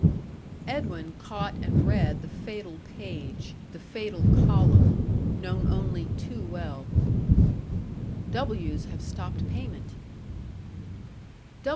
Edwin caught and read the fatal page the fatal column known only too well. "W 's have stopped payment."